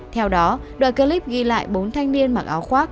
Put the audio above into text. theo đó đoàn clip ghi lại bốn thanh niên mặc áo khoác